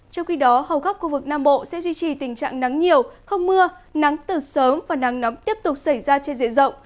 trong khi đó hầu khắp khu vực nam bộ sẽ duy trì tình trạng nắng nhiều không mưa nắng từ sớm và nắng nóng tiếp tục xảy ra trên diện rộng